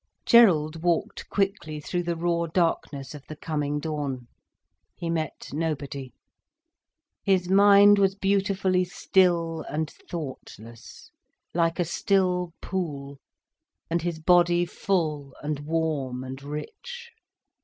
Gerald walked quickly through the raw darkness of the coming dawn. He met nobody. His mind was beautifully still and thoughtless, like a still pool, and his body full and warm and rich.